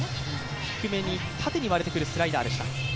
低めに縦に割れてくるスライダーでした。